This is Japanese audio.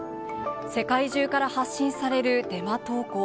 世界中から発信されるデマ投稿。